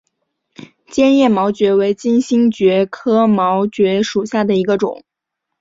坚叶毛蕨为金星蕨科毛蕨属下的一个种。